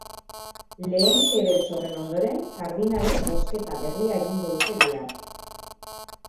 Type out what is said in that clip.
Lehen ke beltz horren ondoren, kardinalek bozketa berria egingo dute bihar.